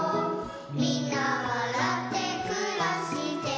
「みんなわらってくらしてる」